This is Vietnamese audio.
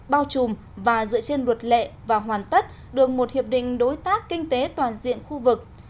bao trùm và dựa trên luật lệ và hoàn tất được một hiệp định đối tác kinh tế toàn diện khu vực